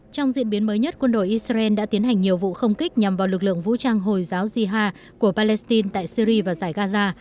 trong diễn biến mới nhất quân đội israel đã tiến hành nhiều vụ không kích nhằm vào lực lượng vũ trang hồi giáo jihad của palestine tại syri và giải gaza